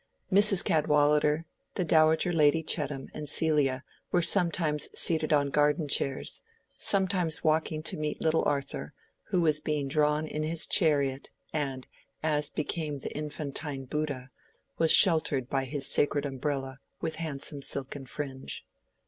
Mrs. Cadwallader, the Dowager Lady Chettam, and Celia were sometimes seated on garden chairs, sometimes walking to meet little Arthur, who was being drawn in his chariot, and, as became the infantine Bouddha, was sheltered by his sacred umbrella with handsome silken fringe.